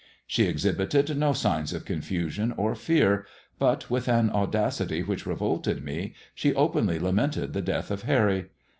She exhibited no signs of confusion or fear, but, with an audacity which revolted me, she openly lamented the death of Harry.